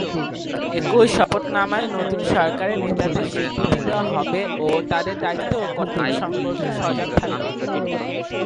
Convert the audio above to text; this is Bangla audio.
একই শপথনামায় নতুন সরকারের নেতাদের স্বীকৃতি দেয়া হবে ও তাদের দায়িত্ব ও কর্তব্য সম্পর্কে সজাগ থাকবেন।